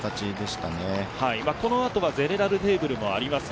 この後はゼネラルテーブルもあります。